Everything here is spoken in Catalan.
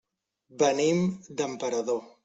Venim d'Emperador.